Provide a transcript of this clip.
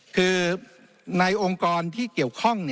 คือในองค์กรที่เกี่ยวข้อง